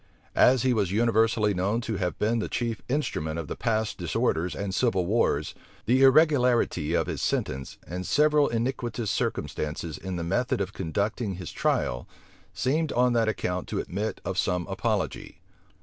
As he was universally known to have been the chief instrument of the past disorders and civil wars, the irregularity of his sentence, and several iniquitous circumstances in the method of conducting his trial, seemed on that account to admit of some apology.